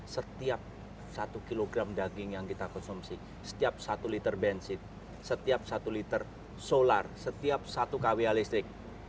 setiap satu kilogram daging yang kita konsumsi setiap satu liter bensin setiap satu liter solar setiap satu kwh listrik